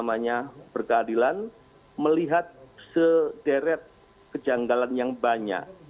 saya akan melihat sederet kejanggalan yang banyak